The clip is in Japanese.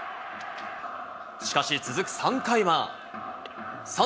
しかし続く３回は。